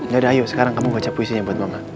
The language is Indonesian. yaudah ayo sekarang kamu baca puisinya buat mama